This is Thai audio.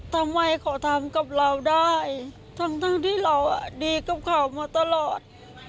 ทำไมเขาทำกับเราได้ทั้งที่เราดีกับเขามาตลอด